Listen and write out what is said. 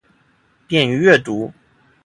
便于阅读